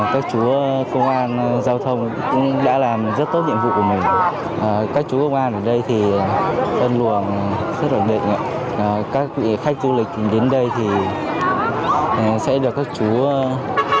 các chú công an giao thông đã làm rất tốt nhiệm vụ của mình các chú công an ở đây thì ân luồng rất đồng định các khách du lịch đến đây thì sẽ được các chú giúp đỡ